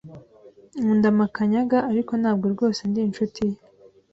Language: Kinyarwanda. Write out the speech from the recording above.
Nkunda Makanyaga, ariko ntabwo rwose ndi inshuti ye.